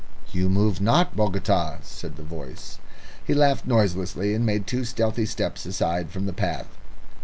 "You move not, Bogota," said the voice. He laughed noiselessly, and made two stealthy steps aside from the path.